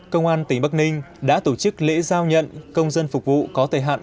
công an tỉnh bắc ninh đã tổ chức lễ giao nhận công dân phục vụ có thời hạn